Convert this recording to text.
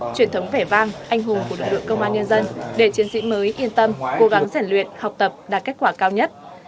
truyền thống vẻ vang anh hùng của lực lượng công an nhân dân để chiến sĩ mới yên tâm cố gắng giản luyện học tập đạt kết quả cao nhất